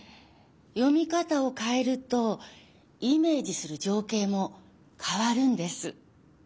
読み方をかえるとイメージするじょうけいもかわるんです。